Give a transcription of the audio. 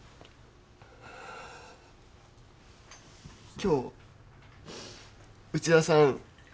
今日内田さん